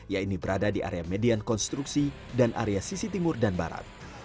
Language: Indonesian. yaitu berada di area median konstruksi dan area sisi timur dan barat